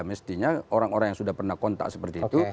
mestinya orang orang yang sudah pernah kontak seperti itu